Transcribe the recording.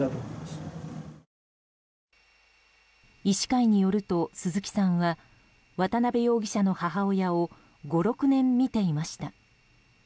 医師会によると鈴木さんは渡邊容疑者の母親を５６年診ていました。